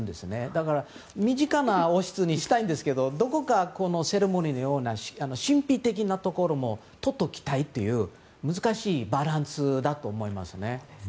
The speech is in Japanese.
だから身近な王室にしたいんですけどどこかセレモニーのような神秘的なところもとっておきたいという難しいバランスだと思いますね。